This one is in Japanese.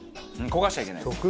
焦がしちゃいけないです。